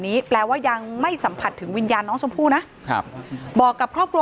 แปลว่ายังไม่สัมผัสถึงวิญญาณน้องชมพู่นะครับบอกกับครอบครัว